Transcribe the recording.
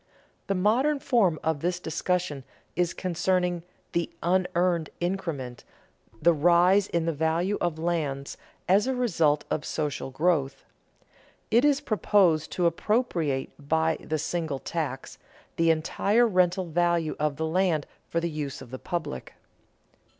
The modern form of this discussion is concerning "the unearned increment," the rise in the value of lands as a result of social growth. It is proposed to appropriate by "the single tax" the entire rental value of the land for the use of the public.